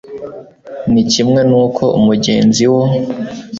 ni kimwe n uko umugenzi wo